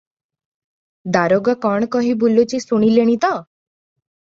ଦାରୋଗା କଣ କହି ବୁଲୁଚି, ଶୁଣିଲେଣି ତ?